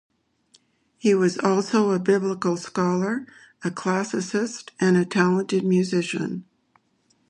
He was also a biblical scholar, a classicist, and a talented musician.